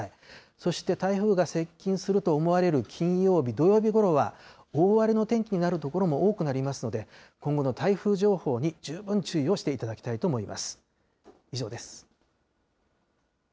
そして台風が接近すると思われる金曜日、土曜日ごろは、大荒れの天気になる所も多くなりますので、今後の台風情報に十分注意をしていただきたいと思います。